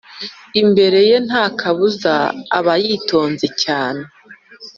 imbere ye nta kabuza aba yitonze cyane